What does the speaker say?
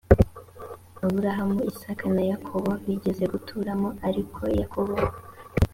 aburahamu isaka na yakobo bigeze guturamo ariko yakobo